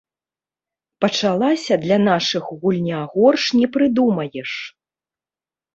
Пачалася для нашых гульня горш не прыдумаеш.